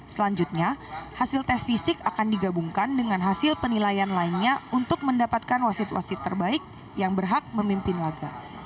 selanjutnya hasil tes fisik akan digabungkan dengan hasil penilaian lainnya untuk mendapatkan wasit wasit terbaik yang berhak memimpin laga